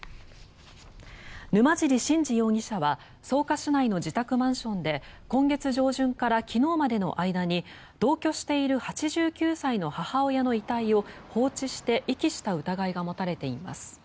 沼尻信次容疑者は草加市内の自宅マンションで今月上旬から昨日までの間に同居している８９歳の母親の遺体を放置して遺棄した疑いが持たれています。